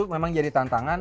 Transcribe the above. itu memang jadi tantangan